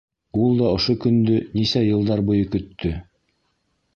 Ул да ошо көндө нисә йылдар буйы көттө.